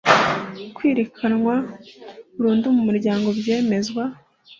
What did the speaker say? kwirikanwa burundu mu muryango byemezwa